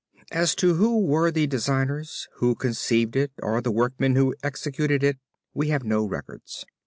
As to who were the designers, who conceived it, or the workmen who executed it, we have no records.